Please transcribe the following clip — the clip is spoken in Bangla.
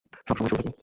সব সময়, শুরু থেকে।